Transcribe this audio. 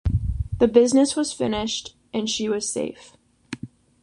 The business was finished, and she was safe.